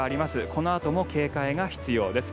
このあとも警戒が必要です。